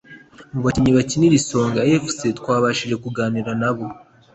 Mu bakinnyi bakinira Isonga Fc twabashije kuganira nabo